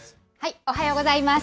おはようございます。